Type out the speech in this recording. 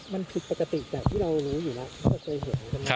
มันผิดปกติจากที่เรารู้อยู่แล้ว